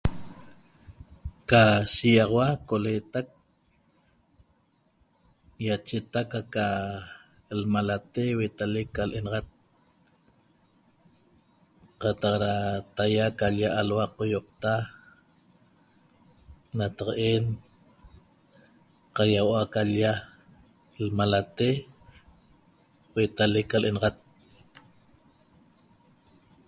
Ca shexaua colateq iachetaq aca ca lmalate huetaleq ca lenaxat cataq da tahiaa'calya alua caioqta nataqa'en caiahuo'o calya l'malate huetelaleqca lenaxat